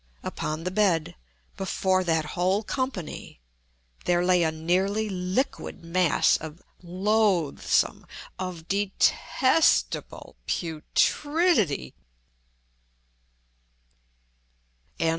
Upon the bed, before that whole company, there lay a nearly liquid mass of loathsome—of detestable putrescence.